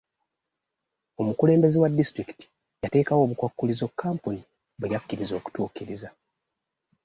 Omukulembeze wa disitulikiti yateekawo obukwakkulizo Kkampuni bwe yakkiriza okutuukiriza.